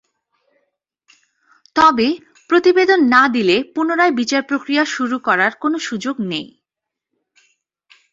তবে প্রতিবেদন না দিলে পুনরায় বিচারপ্রক্রিয়া শুরু করার কোনো সুযোগ নেই।